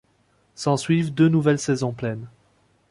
S'en suivent deux nouvelles saisons pleines.